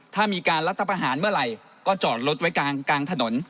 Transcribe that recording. ถ้ามีการรัฐประหารเมื่อไหร่ก็จอดรถไว้กลางถนน